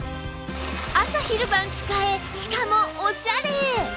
朝昼晩使えしかもオシャレ！